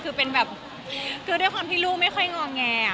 คือเป็นแบบคือด้วยความที่ลูกไม่ค่อยงอแง